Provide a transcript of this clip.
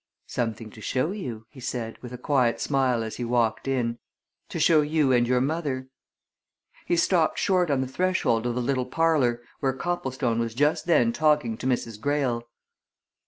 "Something to show you," he said with a quiet smile as he walked in. "To show you and your mother." He stopped short on the threshold of the little parlour, where Copplestone was just then talking to Mrs. Greyle.